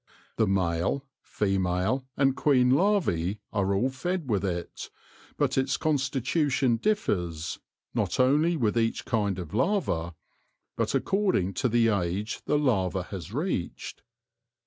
The male, female, and queen larvae are all fed with it, but its constitution differs, not only with each kind of larva, but according to the age the larva has reached.